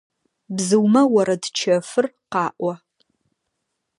Бзыумэ орэд чэфыр къаӀо.